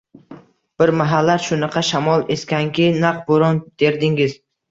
Bir mahallar shunaqa shamol esganki, naq bo‘ron derdingiz